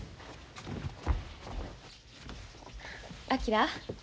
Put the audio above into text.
昭。